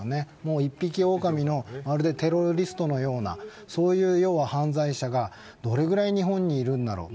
一匹狼のテロリストのようなそういう犯罪者がどれぐらい日本にいるんだろう。